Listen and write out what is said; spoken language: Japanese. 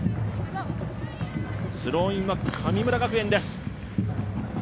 スローインは神村学園です。